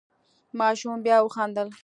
ماشوم بیا وخندل.